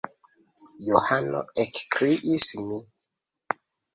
Johano! ekkriis mi.